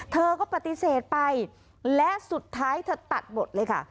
เธอก็ปฏิเสธไปและสุดท้ายเธอตัดหมดเลยค่ะ